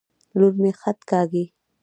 لور مي خط کاږي.